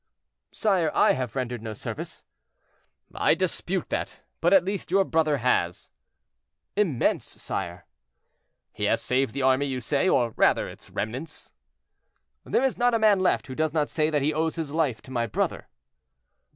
"Sire, I have rendered no service." "I dispute that; but at least your brother has."—"Immense, sire." "He has saved the army, you say, or rather, its remnants?" "There is not a man left who does not say that he owes his life to my brother."